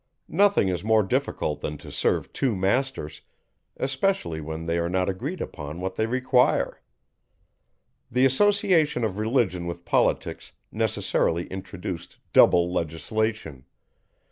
Nothing is more difficult than to serve two masters, especially when they are not agreed upon what they require. The association of Religion with Politics necessarily introduced double legislation.